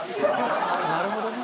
なるほどね。